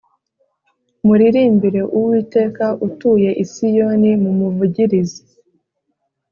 Muririmbire Uwiteka Utuye I Siyoni Mumuvugirize